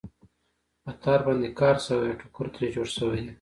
په تار باندې کار شوی او ټوکر ترې جوړ شوی دی.